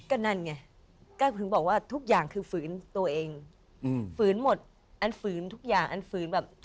ก็นั่นไงก็ถึงบอกว่าทุกอย่างคือฝืนตัวเองอืมฝืนหมดอันฝืนทุกอย่างอันฝืนแบบ